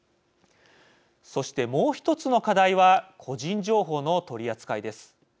そして、もう１つの課題は個人情報の取り扱いです。